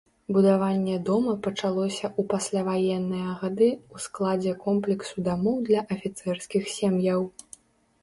Будаванне дома пачалося ў пасляваенныя гады ў складзе комплексу дамоў для афіцэрскіх сем'яў.